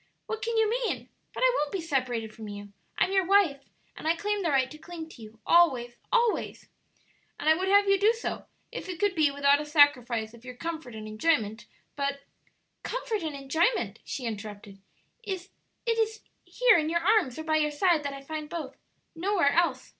"What can you mean? But I won't be separated from you; I'm your wife, and I claim the right to cling to you always, always!" "And I would have you do so, if it could be without a sacrifice of your comfort and enjoyment, but " "Comfort and enjoyment!" she interrupted; "it is here in your arms or by your side that I find both; nowhere else.